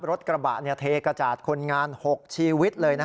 รถกระบะเทกระจาดคนงาน๖ชีวิตเลย